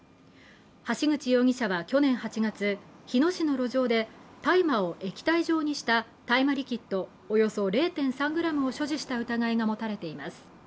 橋口容疑者は去年８月日野市の路上で大麻を液体状にした大麻リキッドおよそ０．３ｇを所持した疑いが持たれています